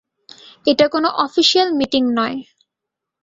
এটা কোনো official meeting নয়।